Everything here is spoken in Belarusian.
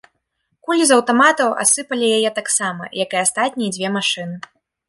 Кулі з аўтаматаў асыпалі яе таксама, як і астатнія дзве машыны.